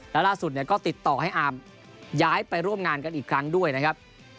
แล้วล่าสุดก็ติดต่อให้อามย้ายไปร่วมงานกันอีกครั้งด้วยนะครับ